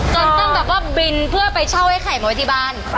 จนต้องบินเพื่อไปเช่าไอ้ไข่มาวิที่บ้าน